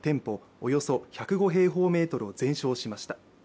およそ１０５平方メートルを全焼しました。